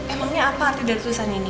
emangnya apa tuh dari tulisan ini